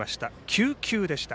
９球でした。